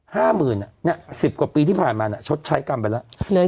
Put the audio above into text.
๕หมื่นนี่๑๐กว่าปีที่ผ่านมาชดใช้กรรมไปแล้ว